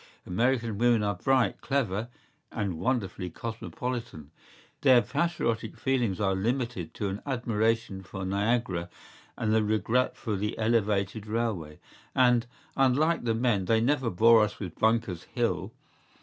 ¬Ý American women are bright, clever, and wonderfully cosmopolitan.¬Ý Their patriotic feelings are limited to an admiration for Niagara and a regret for the Elevated Railway; and, unlike the men, they never bore us with Bunkers Hill.